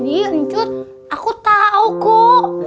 ini uncut aku tau kok